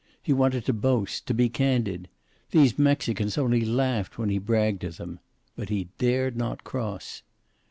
He wanted to boast, to be candid. These Mexicans only laughed when he bragged to them. But he dared not cross.